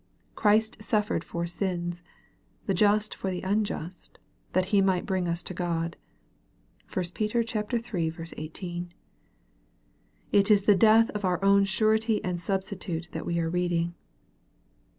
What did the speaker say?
" Christ suffered for sins, the just for the unjust, that He migLt bring us to God." (1 Peter iii. 18.) It is the death of our own Surety and Substitute that we are reading.